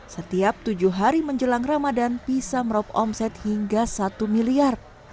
setiap tujuh hari menjelang ramadan bisa merob omset hingga satu miliar